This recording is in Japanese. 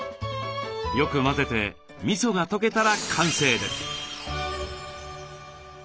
よく混ぜてみそが溶けたら完成です。